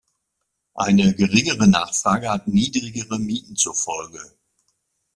Eine geringere Nachfrage hat niedrigere Mieten zur Folge.